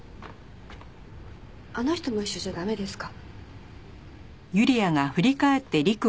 あの人も一緒じゃ駄目ですか？